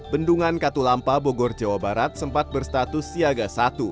bendungan katulampa bogor jawa barat sempat berstatus siaga satu